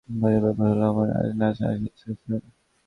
মজার ব্যাপার হলো, আমার আজ নাচে আসার ইচ্ছেই ছিলো না।